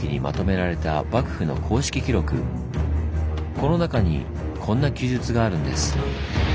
この中にこんな記述があるんです。